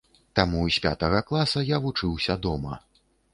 Таму з пятага класа я вучыўся дома.